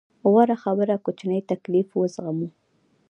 غوره خبره کوچنی تکليف وزغمو.